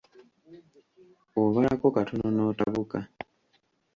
Obalako katono n’otabuka.